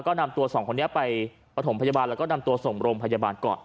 ก็นำตัวสองคนนี้ไปประถมพยาบาลแล้วก็นำตัวส่งโรงพยาบาลก่อน